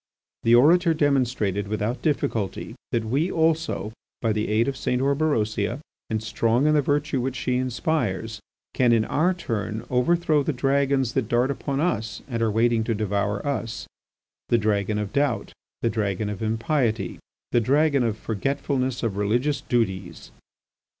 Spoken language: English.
The orator demonstrated without difficulty that we, also, by the aid of St. Orberosia, and strong in the virtue which she inspires, can in our turn overthrow the dragons that dart upon us and are waiting to devour us, the dragon of doubt, the dragon of impiety, the dragon of forgetfulness of religious duties.